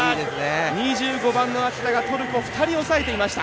２５番の秋田がトルコを二人抑えていました。